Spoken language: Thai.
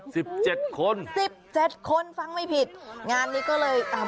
สิบเจ็ดคนสิบเจ็ดคนฟังไม่ผิดงานนี้ก็เลยอ่า